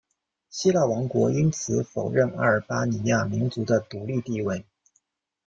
希腊王国因此否认阿尔巴尼亚民族的独立地位。